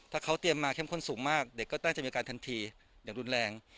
ถ้าเขาเตรียมมาเข้มข้นสูงมากเด็กก็น่าจะมีอาการทันทีอย่างรุนแรง